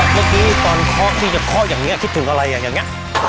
เมื่อกี้ฉันจะเคาะอย่างนี้ก็คิดถึงว่ายังไง